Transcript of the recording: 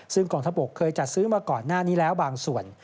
ซึ่งกองทัพบกเคยจัดซื้อมาก่อนหน้านี้แล้วบางส่วน